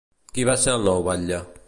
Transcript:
Qui va ser el nou batlle?